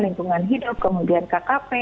lingkungan hidup kemudian kkp